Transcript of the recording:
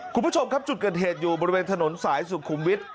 คุณผู้ชมครับจุดเกิดเหตุอยู่บริเวณถนนสายสุขุมวิทย